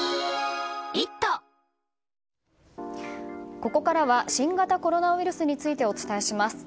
ここからは新型コロナウイルスについてお伝えします。